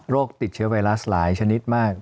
ติดเชื้อไวรัสหลายชนิดมาก